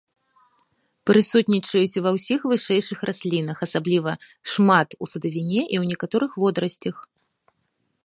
Прысутнічаюць ва ўсіх вышэйшых раслінах, асабліва шмат у садавіне і ў некаторых водарасцях.